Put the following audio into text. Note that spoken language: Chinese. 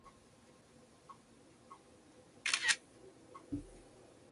时光荏苒。